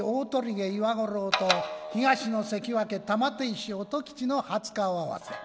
毛岩五郎と東の関脇玉手石音吉の初顔合わせ。